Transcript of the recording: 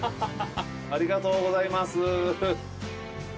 ありがとうございます。